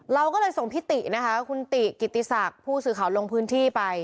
เราก็เลยส่งพิตินะคะคุณติกิติศักดิ์ผู้สื่อข่าวลงพื้นที่ไป